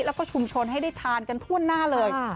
แล้วก็ชุมชนให้ได้ทานกันทั่วหน้าเลย